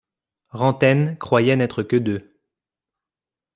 Rantaine croyait n’être que deux.